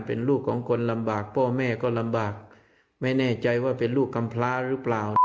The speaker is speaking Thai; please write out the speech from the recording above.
เป็นลูกของคนลำบากพ่อแม่ก็ลำบากไม่แน่ใจว่าเป็นลูกกำพลาหรือเปล่า